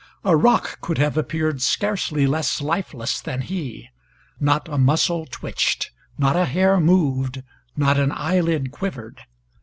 A rock could have appeared scarcely less lifeless than he; not a muscle twitched; not a hair moved; not an eyelid quivered.